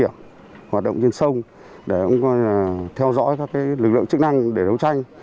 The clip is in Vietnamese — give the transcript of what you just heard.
điểm hoạt động trên sông để cũng theo dõi các cái lực lượng chức năng để đấu tranh